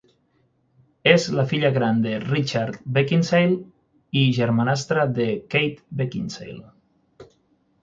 És la filla gran de Richard Beckinsale i germanastra de Kate Beckinsale.